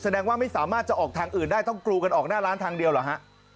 แสดงว่าไม่สามารถจะออกทางอื่นได้ต้องกรูกันออกหน้าร้านทางเดียวเหรอฮะ